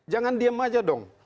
jangan diem aja dong